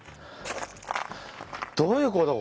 どういう事？